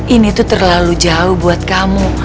ini tuh terlalu jauh buat kamu